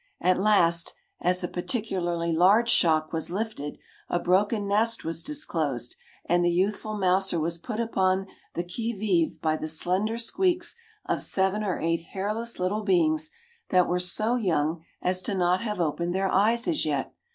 At last, as a particularly large shock was lifted, a broken nest was disclosed and the youthful mouser was put upon the qui vive by the slender squeaks of seven or eight hairless little beings that were so young as not to have opened their eyes as yet.